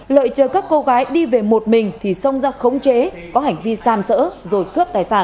lợi chờ các cô gái đi về một mình thì xông ra khống chế có hành vi xam sỡ rồi cướp tài sản